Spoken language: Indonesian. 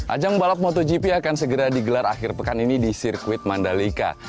ajang balap motogp akan segera digelar akhir pekan ini di sirkuit mandalika